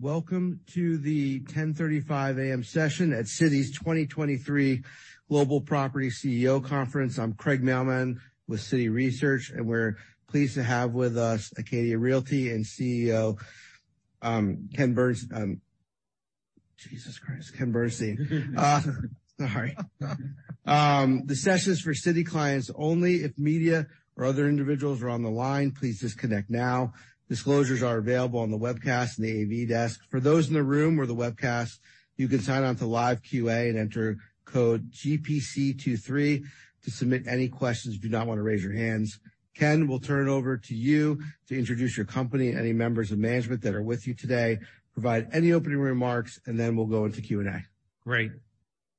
Welcome to the 10:35 A.M. session at Citi's 2023 Global Property CEO Conference. I'm Craig Mailman with Citi Research, we're pleased to have with us Acadia Realty and CEO, Ken Burns. Jesus Christ, Ken Bernstein. Sorry. The session's for Citi clients only. If media or other individuals are on the line, please disconnect now. Disclosures are available on the webcast and the AV desk. For those in the room or the webcast, you can sign on to live QA and enter code GPC23 to submit any questions if you do not want to raise your hands. Ken, we'll turn it over to you to introduce your company and any members of management that are with you today, provide any opening remarks, then we'll go into Q&A. Great.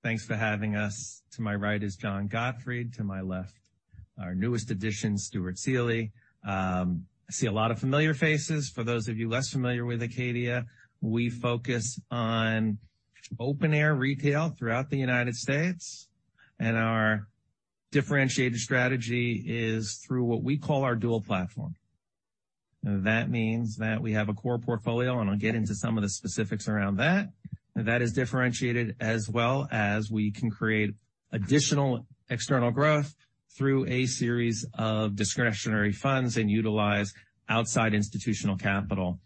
Thanks for having us. To my right is John Gottfried, to my left, our newest addition, Stuart Seeley. I see a lot of familiar faces. For those of you less familiar with Acadia, we focus on open-air retail throughout the United States, and our differentiated strategy is through what we call our dual platform. That means that we have a core portfolio, and I'll get into some of the specifics around that. That is differentiated as well as we can create additional external growth through a series of discretionary funds and utilize outside institutional capital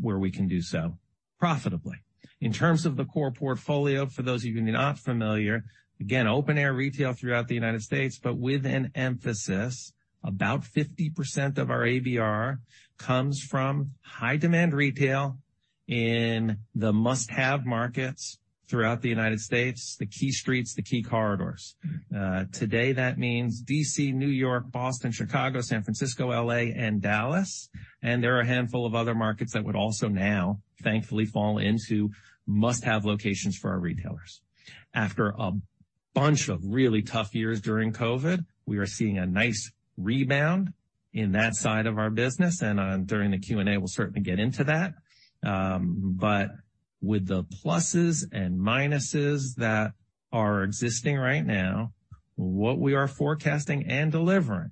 where we can do so profitably. In terms of the core portfolio, for those of you not familiar, again, open-air retail throughout the United States, but with an emphasis, about 50% of our ABR comes from high demand retail in the must-have markets throughout the United States, the key streets, the key corridors. Today that means D.C., New York, Boston, Chicago, San Francisco, L.A., and Dallas. There are a handful of other markets that would also now, thankfully, fall into must-have locations for our retailers. After a bunch of really tough years during COVID, we are seeing a nice rebound in that side of our business, and during the Q&A, we'll certainly get into that. With the pluses and minuses that are existing right now, what we are forecasting and delivering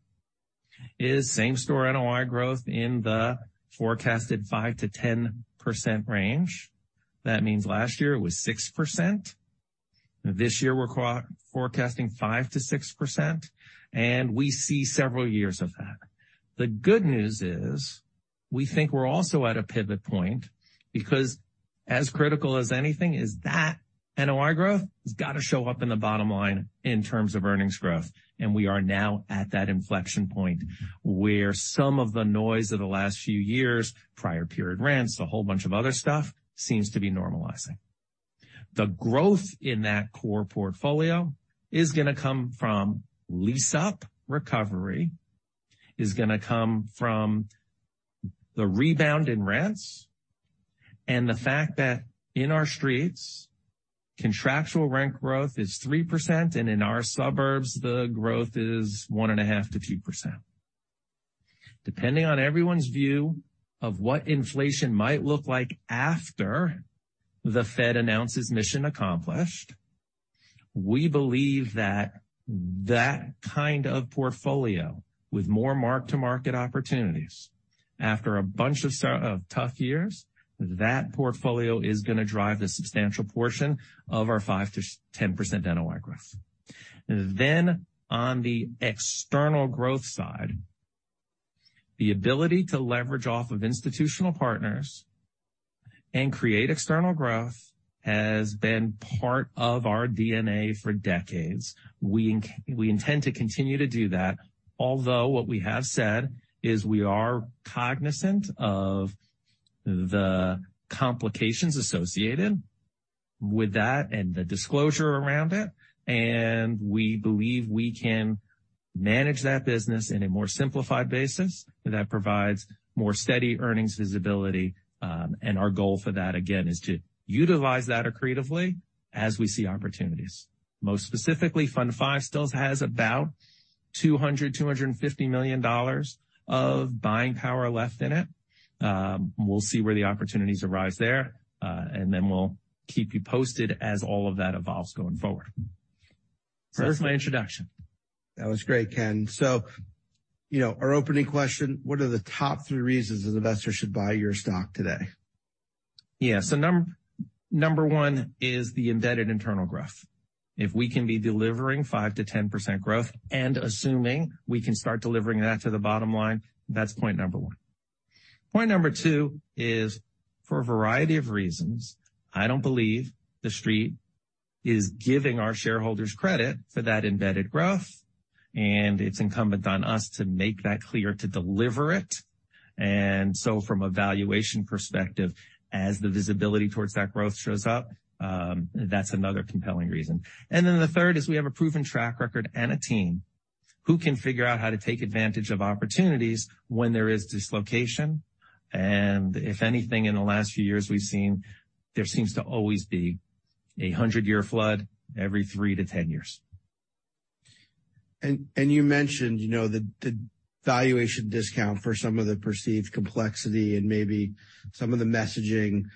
is same-store NOI growth in the forecasted 5%-10% range. That means last year it was 6%. This year we're forecasting 5%-6%, we see several years of that. The good news is we think we're also at a pivot point because as critical as anything is that NOI growth has got to show up in the bottom line in terms of earnings growth. We are now at that inflection point where some of the noise of the last few years, prior period rents, a whole bunch of other stuff seems to be normalizing. The growth in that core portfolio is gonna come from lease-up recovery, is gonna come from the rebound in rents, and the fact that in our streets, contractual rent growth is 3%, and in our suburbs, the growth is 1.5%-2%. Depending on everyone's view of what inflation might look like after the Fed announces mission accomplished, we believe that kind of portfolio with more mark-to-market opportunities, after a bunch of tough years, that portfolio is going to drive a substantial portion of our 5%-10% NOI growth. On the external growth side, the ability to leverage off of institutional partners and create external growth has been part of our DNA for decades. We intend to continue to do that, although what we have said is we are cognizant of the complications associated with that and the disclosure around it, and we believe we can manage that business in a more simplified basis that provides more steady earnings visibility. Our goal for that, again, is to utilize that creatively as we see opportunities. Most specifically, Fund V still has about $250 million of buying power left in it. We'll see where the opportunities arise there, and then we'll keep you posted as all of that evolves going forward. That's my introduction. That was great, Ken. You know, our opening question, what are the top three reasons an investor should buy your stock today? Yeah. Number one is the embedded internal growth. If we can be delivering 5%-10% growth and assuming we can start delivering that to the bottom line, that's point number one. Point number two is, for a variety of reasons, I don't believe the street is giving our shareholders credit for that embedded growth, and it's incumbent on us to make that clear to deliver it. From a valuation perspective, as the visibility towards that growth shows up, that's another compelling reason. Then the third is we have a proven track record and a team who can figure out how to take advantage of opportunities when there is dislocation. If anything, in the last few years we've seen there seems to always be a 100-year flood every 3-10 years. You mentioned, you know, the valuation discount for some of the perceived complexity and maybe some of the messaging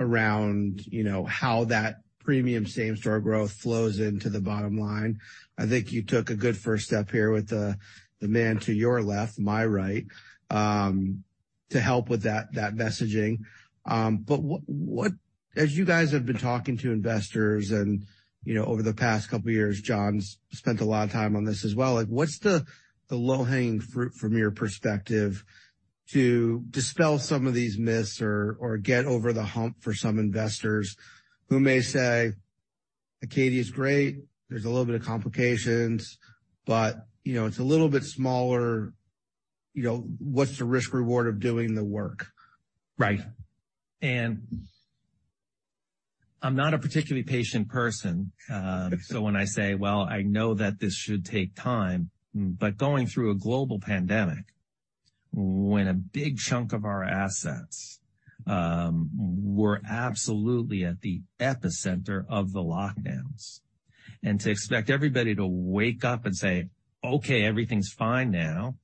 Around, you know, how that premium same-store growth flows into the bottom line. I think you took a good first step here with the man to your left, my right, to help with that messaging. What as you guys have been talking to investors and, you know, over the past couple of years, John's spent a lot of time on this as well, like, what's the low-hanging fruit from your perspective to dispel some of these myths or get over the hump for some investors who may say Acadia is great, there's a little bit of complications, but, you know, it's a little bit smaller, you know, what's the risk reward of doing the work? Right. I'm not a particularly patient person. When I say, well, I know that this should take time, but going through a global pandemic when a big chunk of our assets, were absolutely at the epicenter of the lockdowns, and to expect everybody to wake up and say, "Okay, everything's fine now,"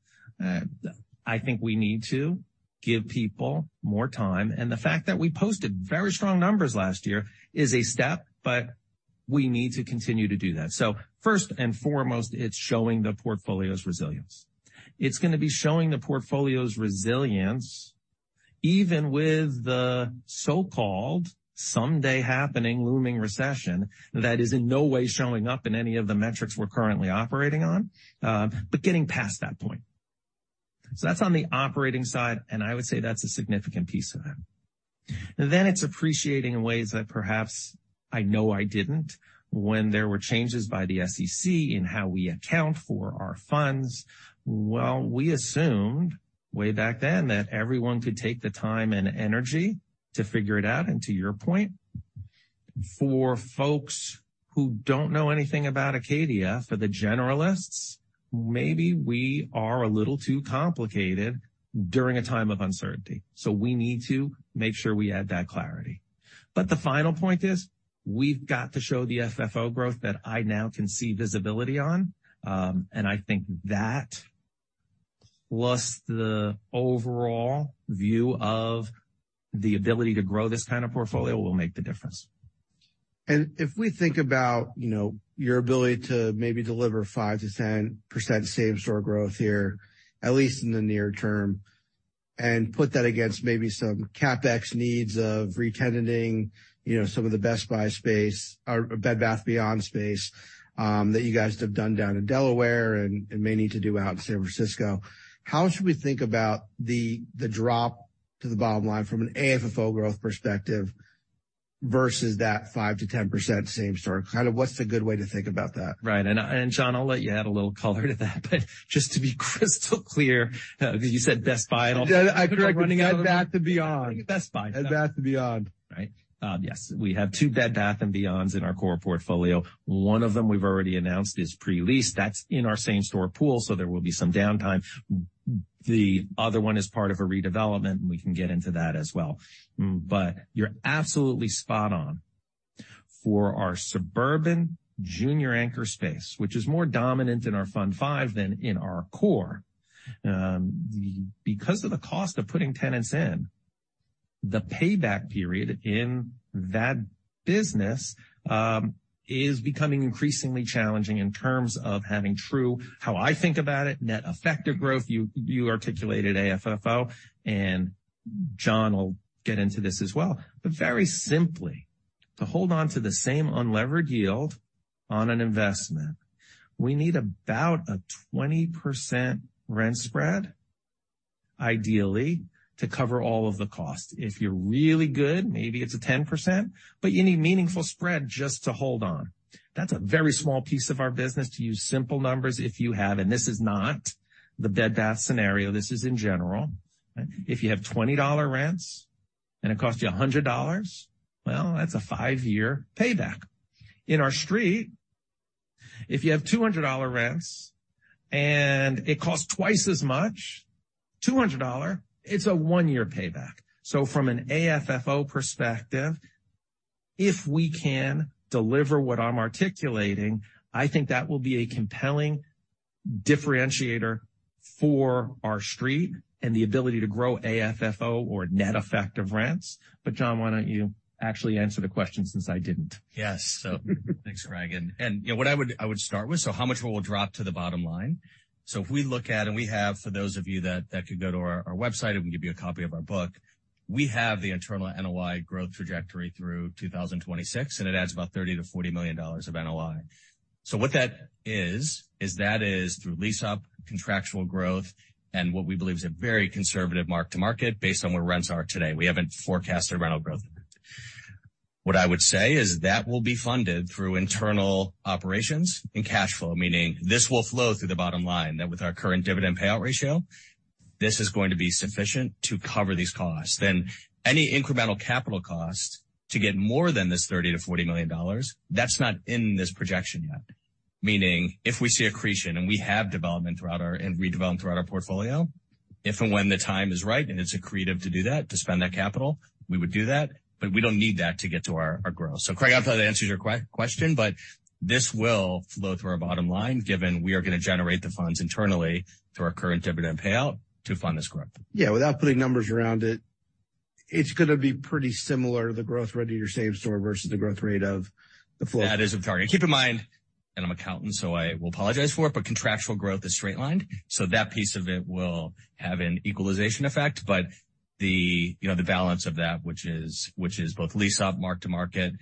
I think we need to give people more time. The fact that we posted very strong numbers last year is a step, but we need to continue to do that. First and foremost, it's showing the portfolio's resilience. It's gonna be showing the portfolio's resilience even with the so-called someday happening looming recession that is in no way showing up in any of the metrics we're currently operating on, but getting past that point. That's on the operating side, and I would say that's a significant piece of that. It's appreciating in ways that perhaps I know I didn't when there were changes by the SEC in how we account for our funds. Well, we assumed way back then that everyone could take the time and energy to figure it out. To your point, for folks who don't know anything about Acadia, for the generalists, maybe we are a little too complicated during a time of uncertainty. We need to make sure we add that clarity. The final point is we've got to show the FFO growth that I now can see visibility on. I think that plus the overall view of the ability to grow this kind of portfolio will make the difference. If we think about, you know, your ability to maybe deliver 5%-10% same-store growth here, at least in the near term, and put that against maybe some CapEx needs of retenanting, you know, some of the Best Buy space or Bed Bath & Beyond space, that you guys have done down in Delaware and may need to do out in San Francisco. How should we think about the drop to the bottom line from an AFFO growth perspective versus that 5%-10% same store? Kind of what's a good way to think about that? Right. John, I'll let you add a little color to that. Just to be crystal clear, you said Best Buy. Yeah, I put Bed Bath & Beyond. Best Buy. Bed Bath & Beyond. Right. Yes. We have two Bed Bath & Beyonds in our core portfolio. One of them we've already announced is pre-leased. That's in our same store pool, so there will be some downtime. The other one is part of a redevelopment, and we can get into that as well. You're absolutely spot on. For our suburban junior anchor space, which is more dominant in our Fund V than in our core, because of the cost of putting tenants in, the payback period in that business, is becoming increasingly challenging in terms of having true how I think about it, net effective growth. You articulated AFFO, and John will get into this as well. Very simply, to hold on to the same unlevered yield on an investment, we need about a 20% rent spread, ideally, to cover all of the costs. If you're really good, maybe it's a 10%, but you need meaningful spread just to hold on. That's a very small piece of our business. To use simple numbers if you have, and this is not the Bed Bath scenario, this is in general. If you have $20 rents and it costs you $100, well, that's a five-year payback. In our street, if you have $200 rents and it costs twice as much, $200, it's a one-year payback. From an AFFO perspective, if we can deliver what I'm articulating, I think that will be a compelling differentiator for our street and the ability to grow AFFO or net effective rents. John, why don't you actually answer the question since I didn't. Yes. Thanks, Craig. you know what I would start with, how much will it drop to the bottom line? If we look at, and we have for those of you that could go to our website and we can give you a copy of our book, we have the internal NOI growth trajectory through 2026, and it adds about $30 million-$40 million of NOI. What that is through lease-up contractual growth and what we believe is a very conservative mark-to-market based on where rents are today. We haven't forecasted rental growth. What I would say is that will be funded through internal operations and cash flow, meaning this will flow through the bottom line. That with our current dividend payout ratio, this is going to be sufficient to cover these costs. Any incremental capital costs to get more than this $30 million-$40 million, that's not in this projection yet. Meaning if we see accretion and we have development and redevelopment throughout our portfolio, if and when the time is right, and it's accretive to do that, to spend that capital, we would do that, but we don't need that to get to our growth. Craig, I hope that answers your question, but this will flow through our bottom line, given we are gonna generate the funds internally through our current dividend payout to fund this growth. Yeah. Without putting numbers around it's gonna be pretty similar to the growth rate of your same store versus the growth rate of the full. That is a target. Keep in mind, and I'm an accountant, so I will apologize for it, but contractual growth is straight-lined, so that piece of it will have an equalization effect. The, you know, the balance of that, which is both lease up, mark-to-market,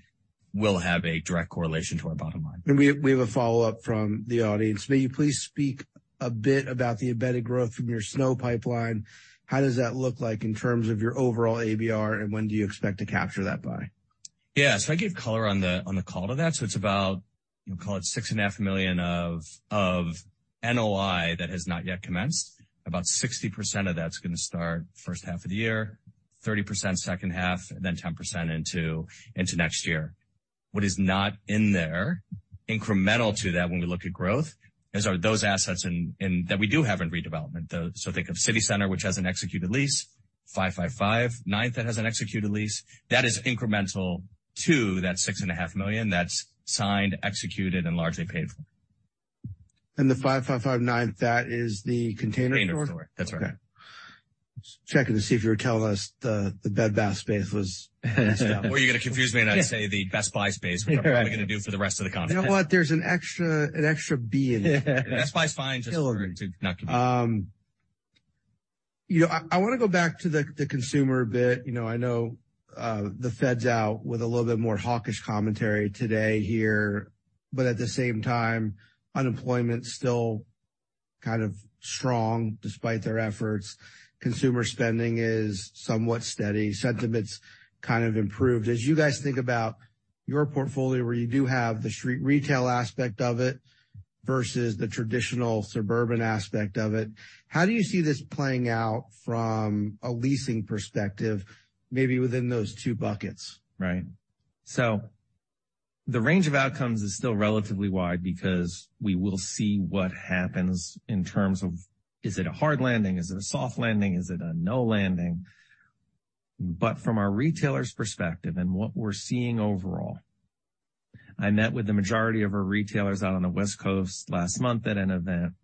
will have a direct correlation to our bottom line. We have a follow-up from the audience. May you please speak a bit about the embedded growth from your SNO pipeline? How does that look like in terms of your overall ABR, and when do you expect to capture that buy? I gave color on the call to that. It's about, you know, call it $6.5 million of NOI that has not yet commenced. About 60% of that's going to start first half of the year, 30% second half, and 10% into next year. What is not in there incremental to that when we look at growth is are those assets in that we do have in redevelopment. Think of City Center, which has an executed lease, 555 Ninth that has an executed lease. That is incremental to that $6.5 million that's signed, executed, and largely paid for. The 555 Ninth, that is The Container Store? Container store. That's right. Okay. Just checking to see if you were telling us the Bed Bath space was messed up? you're gonna confuse me and I say the Best Buy space. Right. What am I gonna do for the rest of the conference? You know what? There's an extra B in there. Best Buy is fine. Just to not confuse. You know, I wanna go back to the consumer a bit. You know, I know, the Fed's out with a little bit more hawkish commentary today here, but at the same time, unemployment's still kind of strong despite their efforts. Consumer spending is somewhat steady. Sentiment's kind of improved. As you guys think about your portfolio, where you do have the street retail aspect of it versus the traditional suburban aspect of it, how do you see this playing out from a leasing perspective, maybe within those two buckets? Right. The range of outcomes is still relatively wide because we will see what happens in terms of is it a hard landing, is it a soft landing, is it a no landing? From our retailers' perspective and what we're seeing overall, I met with the majority of our retailers out on the West Coast last month at an event.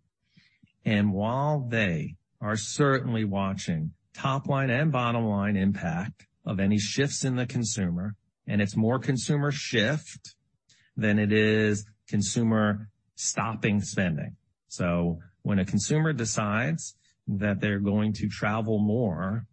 While they are certainly watching top line and bottom line impact of any shifts in the consumer, and it's more consumer shift than it is consumer stopping spending. When a consumer decides that they're going to travel more,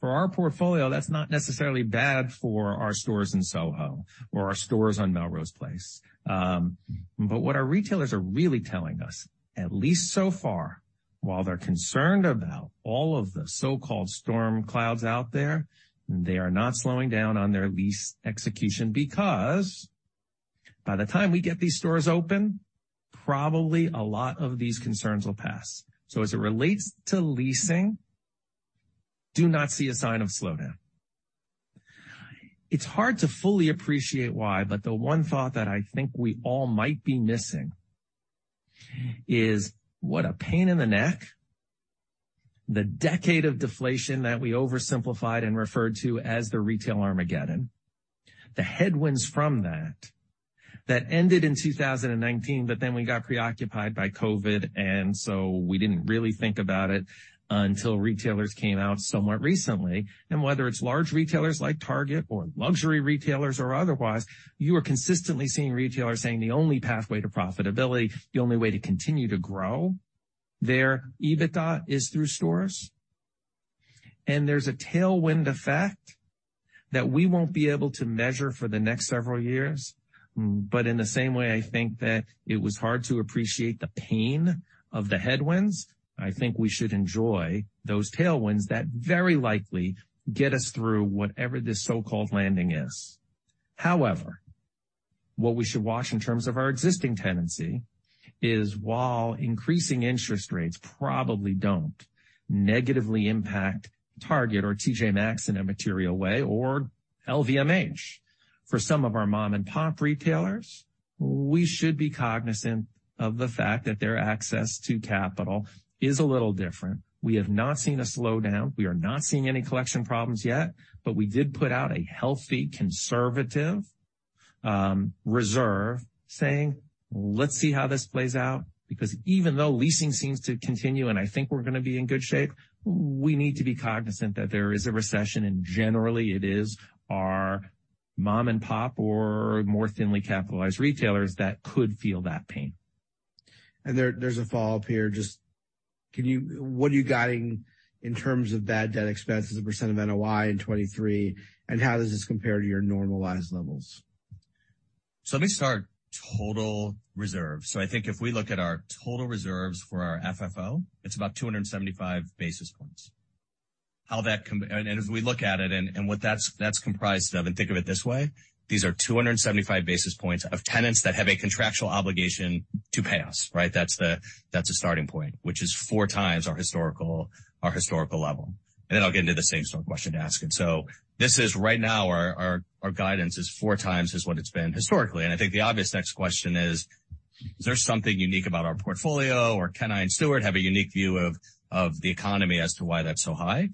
for our portfolio, that's not necessarily bad for our stores in Soho or our stores on Melrose Place. What our retailers are really telling us, at least so far, while they're concerned about all of the so-called storm clouds out there, they are not slowing down on their lease execution because by the time we get these stores open, probably a lot of these concerns will pass. As it relates to leasing, do not see a sign of slowdown. It's hard to fully appreciate why, but the one thought that I think we all might be missing is what a pain in the neck the decade of deflation that we oversimplified and referred to as the Retail Armageddon, the headwinds from that ended in 2019, but then we got preoccupied by COVID, and so we didn't really think about it until retailers came out somewhat recently. Whether it's large retailers like Target or luxury retailers or otherwise, you are consistently seeing retailers saying the only pathway to profitability, the only way to continue to grow their EBITDA is through stores. There's a tailwind effect that we won't be able to measure for the next several years. In the same way, I think that it was hard to appreciate the pain of the headwinds. I think we should enjoy those tailwinds that very likely get us through whatever this so-called landing is. However, what we should watch in terms of our existing tenancy is, while increasing interest rates probably don't negatively impact Target or T.J. Maxx in a material way or LVMH for some of our mom and pop retailers, we should be cognizant of the fact that their access to capital is a little different. We have not seen a slowdown. We are not seeing any collection problems yet, but we did put out a healthy conservative reserve saying, "Let's see how this plays out," because even though leasing seems to continue and I think we're gonna be in good shape, we need to be cognizant that there is a recession, and generally it is our mom and pop or more thinly capitalized retailers that could feel that pain. There's a follow-up here. Just what are you guiding in terms of bad debt expenses as a % of NOI in 23, and how does this compare to your normalized levels? Let me start total reserves. I think if we look at our total reserves for our FFO, it's about 275 basis points. How that and as we look at it and what that's comprised of, and think of it this way, these are 275 basis points of tenants that have a contractual obligation to pay us, right? That's the starting point, which is 4x our historical level. Then I'll get into the same sort of question to ask. This is right now our guidance is 4x is what it's been historically. I think the obvious next question is there something unique about our portfolio or Ken and Stuart have a unique view of the economy as to why that's so high?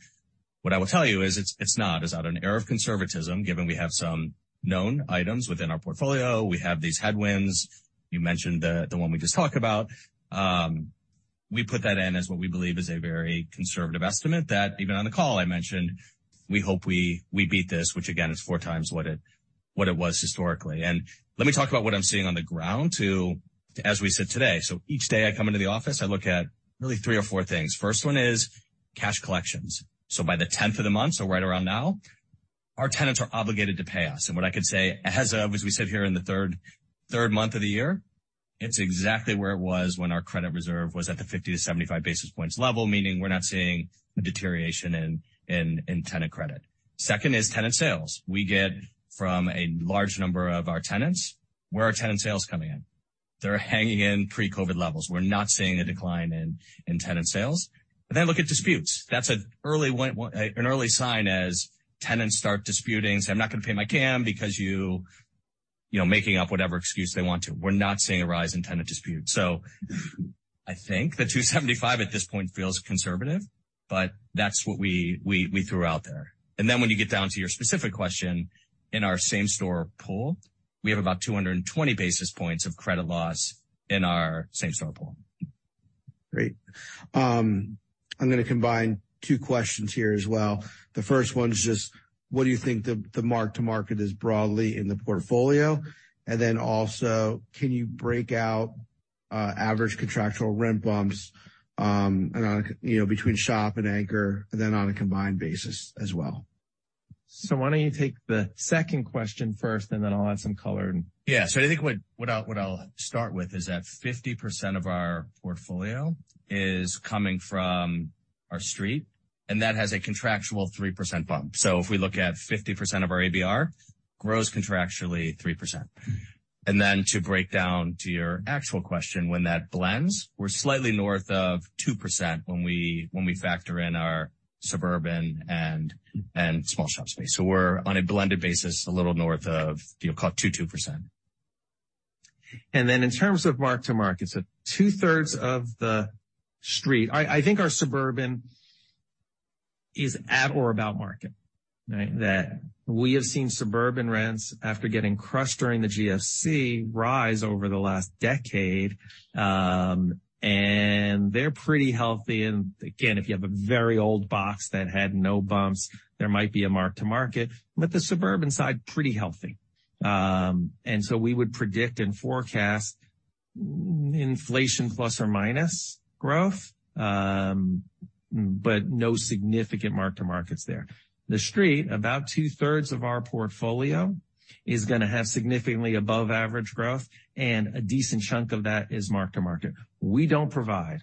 What I will tell you is it's not. It's out an air of conservatism, given we have some known items within our portfolio. We have these headwinds. You mentioned the one we just talked about. We put that in as what we believe is a very conservative estimate that even on the call I mentioned, we hope we beat this, which again is 4x what it was historically. Let me talk about what I'm seeing on the ground to, as we sit today. Each day I come into the office, I look at really three or four things. First one is cash collections. By the 10th of the month, right around now, our tenants are obligated to pay us. What I could say as of, as we sit here in the third month of the year, it's exactly where it was when our credit reserve was at the 50-75 basis points level, meaning we're not seeing a deterioration in tenant credit. Second is tenant sales. We get from a large number of our tenants where our tenant sales coming in. They're hanging in pre-COVID levels. We're not seeing a decline in tenant sales. Look at disputes. That's an early an early sign as tenants start disputing, say, "I'm not gonna pay my CAM because you," you know, making up whatever excuse they want to. We're not seeing a rise in tenant disputes. I think the 275 basis points at this point feels conservative, but that's what we threw out there. When you get down to your specific question, in our same-store pool, we have about 220 basis points of credit loss in our same-store pool. Great. I'm gonna combine two questions here as well. The first one's just what do you think the mark-to-market is broadly in the portfolio? And then also can you break out average contractual rent bumps on a, you know, between shop and anchor, and then on a combined basis as well? Why don't you take the second question first, and then I'll add some color. Yeah. I think what I'll start with is that 50% of our portfolio is coming from our street, and that has a contractual 3% bump. If we look at 50% of our ABR grows contractually 3%. To break down to your actual question, when that blends, we're slightly north of 2% when we factor in our suburban and small shop space. We're on a blended basis, a little north of, you know, call it 2%. In terms of mark-to-market, two-thirds of the street. I think our suburban is at or about market. Right? That we have seen suburban rents, after getting crushed during the GFC, rise over the last decade, and they're pretty healthy. Again, if you have a very old box that had no bumps, there might be a mark-to-market, but the suburban side, pretty healthy. We would predict and forecast inflation ± growth, but no significant mark-to-market there. The street, about 2/3 of our portfolio, is gonna have significantly above average growth, and a decent chunk of that is mark-to-market. We don't provide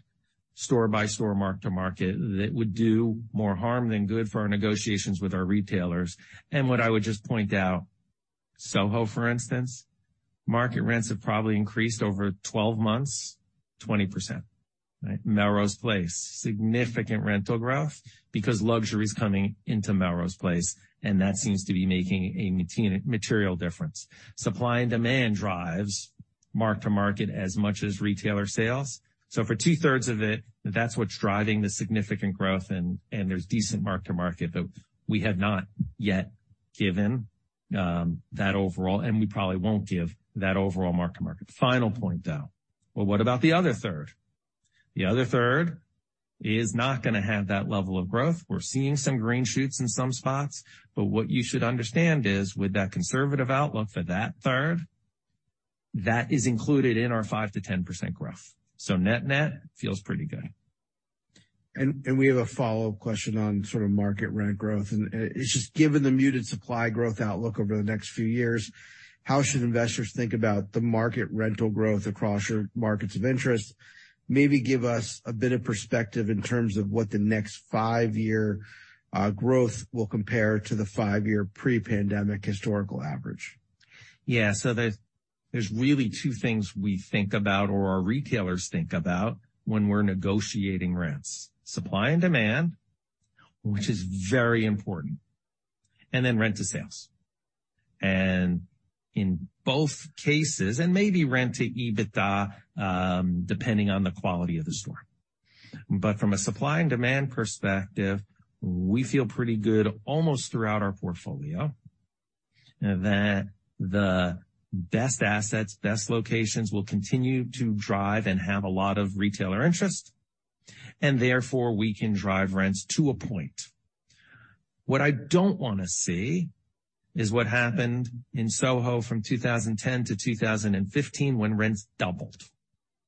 store by store mark-to-market. That would do more harm than good for our negotiations with our retailers. What I would just point out, Soho, for instance, market rents have probably increased over 12 months, 20%. Right? Melrose Place, significant rental growth because luxury is coming into Melrose Place, and that seems to be making a material difference. Supply and demand drives mark-to-market as much as retailer sales. For two-thirds of it, that's what's driving the significant growth, and there's decent mark-to-market, but we have not yet given that overall, and we probably won't give that overall mark-to-market. Final point, though. Well, what about the other third? The other third is not gonna have that level of growth. We're seeing some green shoots in some spots, but what you should understand is with that conservative outlook for that third, that is included in our 5%-10% growth. Net-net feels pretty good. We have a follow-up question on sort of market rent growth, it's just given the muted supply growth outlook over the next few years, how should investors think about the market rental growth across your markets of interest? Maybe give us a bit of perspective in terms of what the next five-year growth will compare to the five-year pre-pandemic historical average. There's really two things we think about or our retailers think about when we're negotiating rents. Supply and demand, which is very important, and then rent to sales. In both cases, and maybe rent to EBITDA, depending on the quality of the store. From a supply and demand perspective, we feel pretty good almost throughout our portfolio, that the best assets, best locations will continue to drive and have a lot of retailer interest, and therefore we can drive rents to a point. What I don't wanna see is what happened in Soho from 2010-2015 when rents doubled.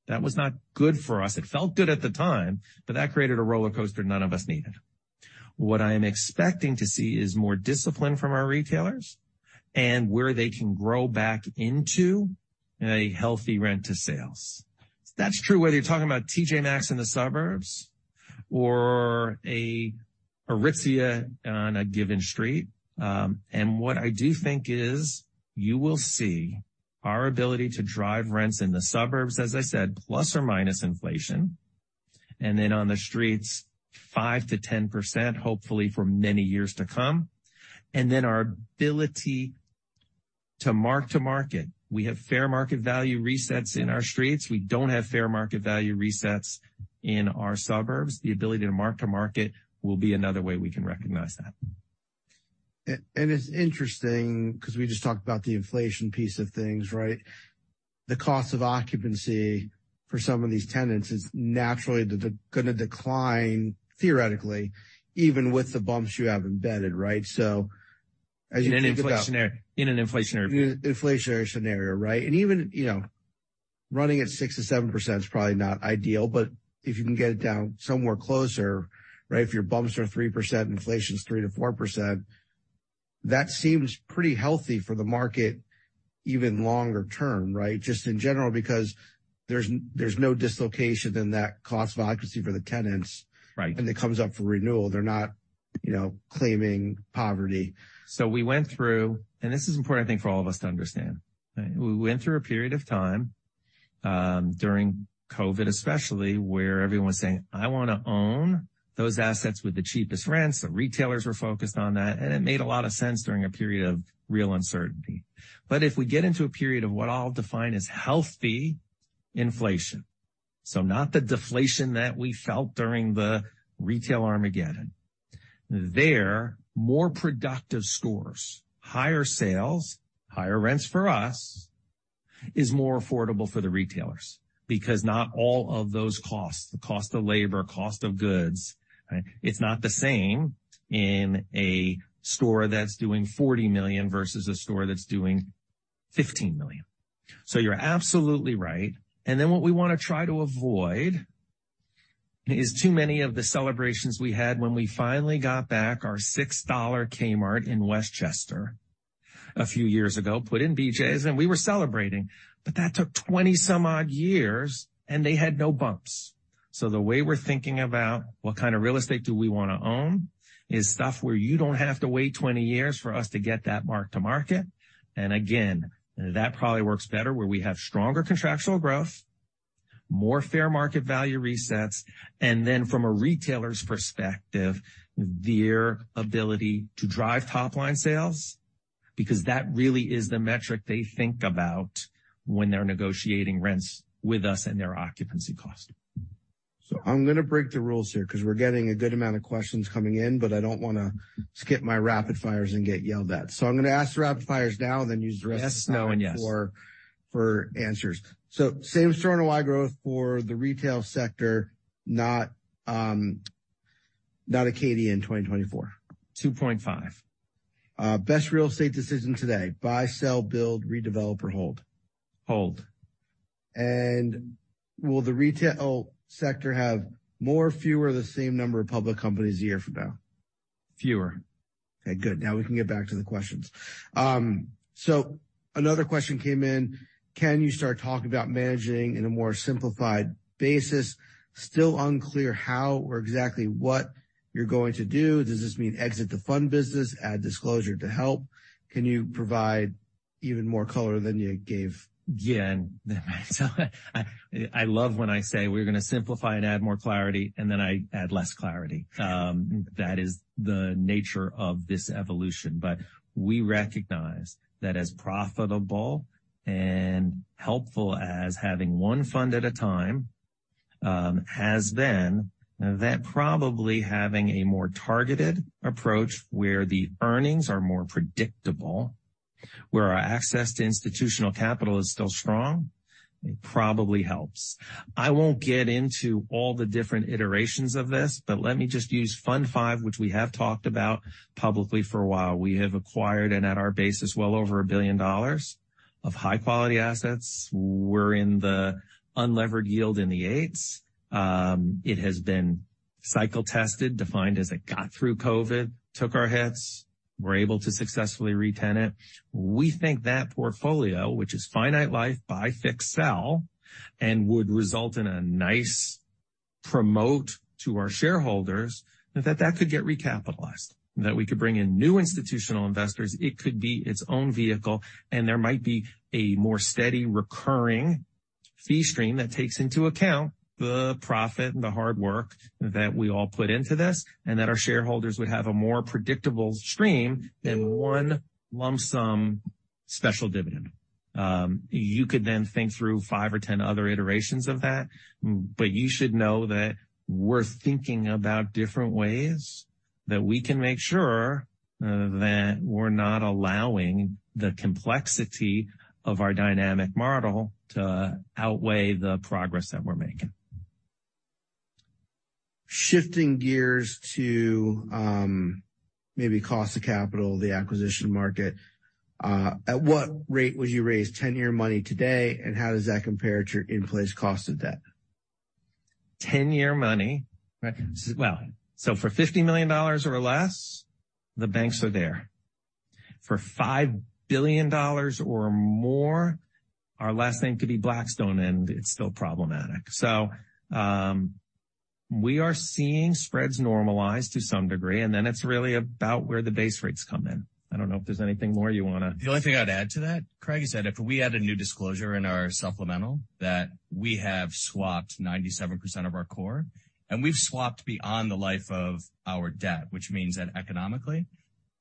That was not good for us. It felt good at the time, but that created a roller coaster none of us needed. What I am expecting to see is more discipline from our retailers and where they can grow back into a healthy rent-to-sales. That's true whether you're talking about T.J. Maxx in the suburbs or Aritzia on a given street. What I do think is you will see our ability to drive rents in the suburbs, as I said, plus or minus inflation, and then on the streets 5%-10%, hopefully for many years to come. Then our ability to mark-to-market. We have fair market value resets in our streets. We don't have fair market value resets in our suburbs. The ability to mark-to-market will be another way we can recognize that. It's interesting because we just talked about the inflation piece of things, right? The cost of occupancy for some of these tenants is naturally going to decline, theoretically, even with the bumps you have embedded. Right. as you think about. In an inflationary view. Inflationary scenario. Right. Even, you know, running at 6%-7% is probably not ideal. If you can get it down somewhere closer, right. If your bumps are 3%, inflation is 3%-4%, that seems pretty healthy for the market, even longer term. Right. Just in general, because there's no dislocation in that occupancy cost for the tenants. Right. When it comes up for renewal, they're not, you know, claiming poverty. We went through, and this is important, I think, for all of us to understand. We went through a period of time, during COVID especially, where everyone was saying, I want to own those assets with the cheapest rents. The retailers were focused on that, and it made a lot of sense during a period of real uncertainty. If we get into a period of what I'll define as healthy inflation, so not the deflation that we felt during the Retail Armageddon. There, more productive stores, higher sales, higher rents for us is more affordable for the retailers because not all of those costs, the cost of labor, cost of goods, it's not the same in a store that's doing $40 million versus a store that's doing $15 million. You're absolutely right. What we want to try to avoid is too many of the celebrations we had when we finally got back our $6 Kmart in Westchester a few years ago, put in BJ's, and we were celebrating. That took 20 some odd years, and they had no bumps. The way we're thinking about what kind of real estate do we want to own is stuff where you don't have to wait 20 years for us to get that mark-to-market. Again, that probably works better where we have stronger contractual growth, more fair market value resets, and then from a retailer's perspective, their ability to drive top line sales. That really is the metric they think about when they're negotiating rents with us and their occupancy cost. I'm going to break the rules here because we're getting a good amount of questions coming in. I don't want to skip my rapid fires and get yelled at. I'm going to ask the rapid fires now and then use the rest of the time for answers. Same-store NOI growth for the retail sector, not Acadia in 2024. 2.5. Best real estate decision today. Buy, sell, build, redevelop or hold? Hold. Will the retail sector have more, fewer, the same number of public companies a year from now? Fewer. Okay, good. Now we can get back to the questions. Another question came in. Can you start talking about managing in a more simplified basis? Still unclear how or exactly what you're going to do. Does this mean exit the fund business? Add disclosure to help. Can you provide even more color than you gave? Yeah. I love when I say we're going to simplify and add more clarity, and then I add less clarity. That is the nature of this evolution. We recognize that as profitable and helpful as having one fund at a time has been that probably having a more targeted approach where the earnings are more predictable, where our access to institutional capital is still strong, it probably helps. I won't get into all the different iterations of this, but let me just use Fund V, which we have talked about publicly for a while. We have acquired, and at our base is well over $1 billion of high-quality assets. We're in the unlevered yield in the eight's. It has been cycle tested, defined as it got through COVID, took our hits. We're able to successfully retenant. We think tha portfolio, which is finite life by fix sell, and would result in a nice promote to our shareholders, that could get recapitalized, that we could bring in new institutional investors. It could be its own vehicle, and there might be a more steady recurring fee stream that takes into account the profit and the hard work that we all put into this, and that our shareholders would have a more predictable stream than one lump sum special dividend. You could then think through five or 10 other iterations of that, you should know that we're thinking about different ways that we can make sure that we're not allowing the complexity of our dynamic model to outweigh the progress that we're making. Shifting gears to, maybe cost of capital, the acquisition market. At what rate would you raise 10-year money today, and how does that compare to your in place cost of debt? 10-year money. For $50 million or less, the banks are there. For $5 billion or more, our last thing could be Blackstone, and it's still problematic. We are seeing spreads normalize to some degree, and then it's really about where the base rates come in. I don't know if there's anything more you want. The only thing I'd add to that, Craig, is that if we add a new disclosure in our supplemental that we have swapped 97% of our core, and we've swapped beyond the life of our debt, which means that economically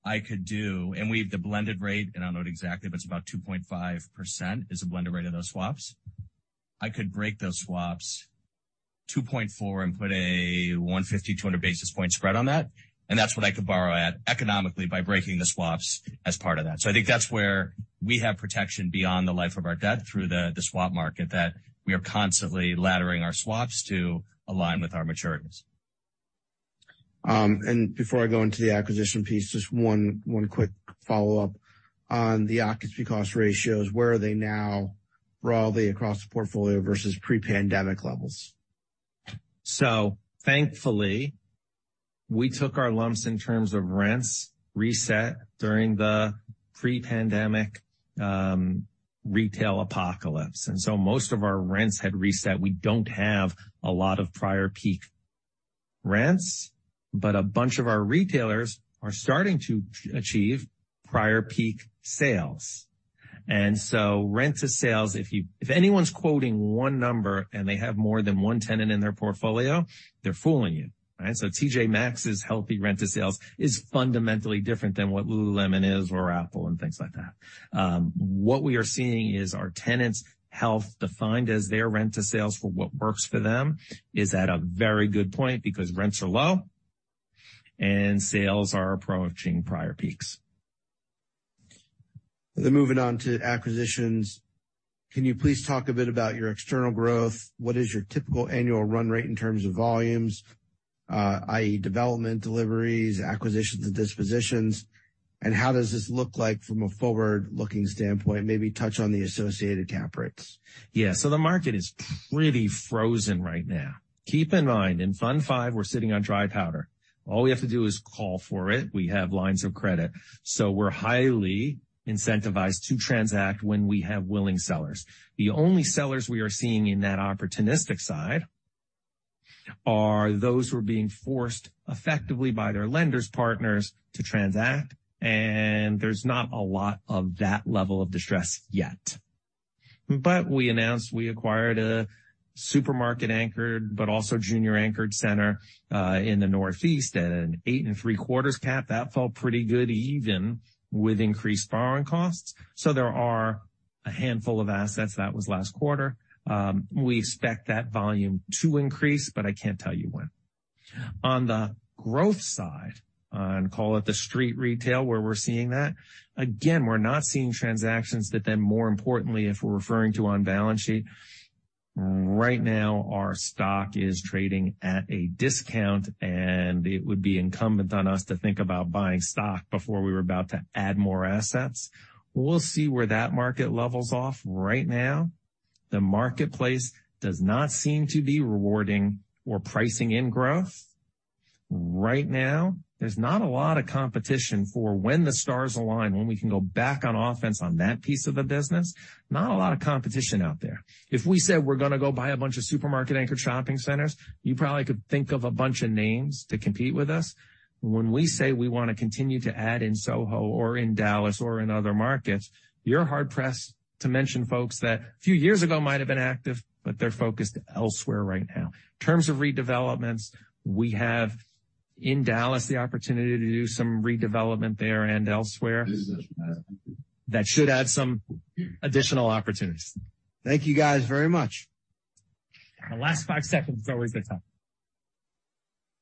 I could do. We've the blended rate, and I don't know it exactly, but it's about 2.5% is the blended rate of those swaps. I could break those swaps... 2.4 and put a 150, 200 basis point spread on that. That's what I could borrow at economically by breaking the swaps as part of that. I think that's where we have protection beyond the life of our debt through the swap market, that we are constantly laddering our swaps to align with our maturities. Before I go into the acquisition piece, just one quick follow-up on the occupancy cost ratios. Where are they now broadly across the portfolio versus pre-pandemic levels? Thankfully, we took our lumps in terms of rents reset during the pre-pandemic retail apocalypse. Most of our rents had reset. We don't have a lot of prior peak rents, but a bunch of our retailers are starting to achieve prior peak sales. Rent-to-sales, if anyone's quoting one number and they have more than one tenant in their portfolio, they're fooling you, right? T.J. Maxx's healthy rent-to-sales is fundamentally different than what lululemon is or Apple and things like that. What we are seeing is our tenants' health defined as their rent-to-sales for what works for them is at a very good point because rents are low and sales are approaching prior peaks. Moving on to acquisitions. Can you please talk a bit about your external growth? What is your typical annual run rate in terms of volumes, i.e., development, deliveries, acquisitions, and dispositions? How does this look like from a forward-looking standpoint? Maybe touch on the associated cap rates. Yeah. The market is pretty frozen right now. Keep in Fund V, we're sitting on dry powder. All we have to do is call for it. We have lines of credit, so we're highly incentivized to transact when we have willing sellers. The only sellers we are seeing in that opportunistic side are those who are being forced effectively by their lenders partners to transact. There's not a lot of that level of distress yet. We announced we acquired a supermarket anchored, but also junior anchored center in the Northeast at an eight and three quarters cap. That felt pretty good, even with increased borrowing costs. There are a handful of assets. That was last quarter. We expect that volume to increase, but I can't tell you when. On the growth side, and call it the street retail, where we're seeing that. Again, we're not seeing transactions that then more importantly, if we're referring to on balance sheet. Right now, our stock is trading at a discount, and it would be incumbent on us to think about buying stock before we were about to add more assets. We'll see where that market levels off. Right now, the marketplace does not seem to be rewarding or pricing in growth. Right now, there's not a lot of competition for when the stars align, when we can go back on offense on that piece of the business. Not a lot of competition out there. If we said we're going to go buy a bunch of supermarket anchored shopping centers, you probably could think of a bunch of names to compete with us. When we say we want to continue to add in Soho or in Dallas or in other markets, you're hard-pressed to mention folks that a few years ago might have been active, but they're focused elsewhere right now. In terms of redevelopments, we have in Dallas the opportunity to do some redevelopment there and elsewhere. Business. That should add some additional opportunities. Thank you guys very much. The last five seconds is always a tough one.